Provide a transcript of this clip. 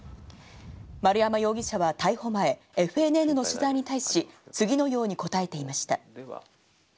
丸山容疑者は逮捕前、ＦＮＮの取材に対し、次のように答えていました。